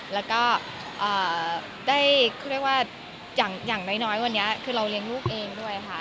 แล้วก็ได้เขาเรียกว่าอย่างน้อยวันนี้คือเราเลี้ยงลูกเองด้วยค่ะ